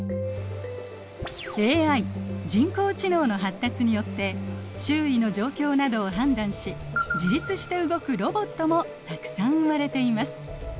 ＡＩ人工知能の発達によって周囲の状況などを判断し自律して動くロボットもたくさん生まれています。